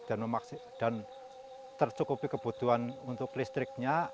dan tercukupi kebutuhan untuk listriknya